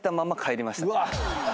うわ！